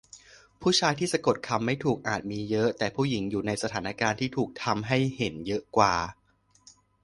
ผู้ชายที่สะกดคำไม่ถูกอาจจะมีเยอะ แต่ผู้หญิงอยู่ในสถานการณ์ที่ถูกทำให้เห็นเยอะกว่า ?